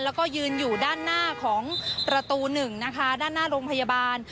แล้วก็ยืนอยู่ด้านหน้าของประตูหนึ่งนะคะด้านหน้าโรงพยาบาล